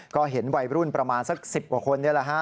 ก็เห็นวัยรุ่นประมาณสัก๑๐กว่าคนนี่แหละฮะ